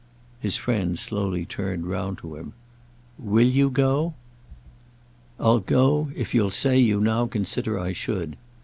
His friend slowly turned round to him. "Will you go?" "I'll go if you'll say you now consider I should.